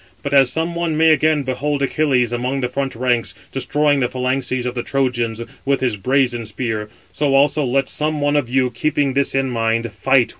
But as some one may again behold Achilles among the front ranks, destroying the phalanxes of the Trojans with his brazen spear, so also let some one of you, keeping this in mind, fight with [his] man."